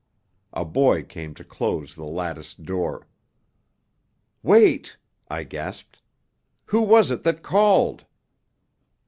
A boy came to close the latticed door. "Wait!" I gasped. "Who was it that called?"